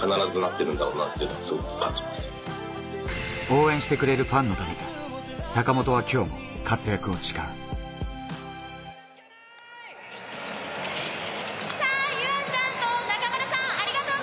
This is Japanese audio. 応援してくれるファンのため、坂本は今日も活躍を誓う。